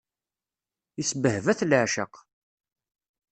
Isbehba-t leεceq.